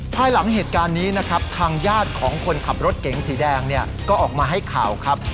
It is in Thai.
ภายหลังเหตุการณ์นี้นะครับทางญาติของคนขับรถเก๋งสีแดงเนี่ยก็ออกมาให้ข่าวครับ